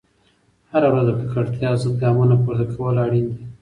هره ورځ د ککړتیا ضد ګامونه پورته کول اړین دي.